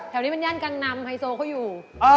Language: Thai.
แถวนี้เป็นย่านการนำไฮโซเขาอยู่